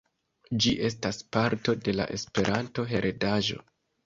Ĝi estas parto de la Esperanto-heredaĵo.